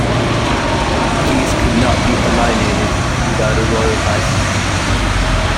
These could not be alienated without a royal licence.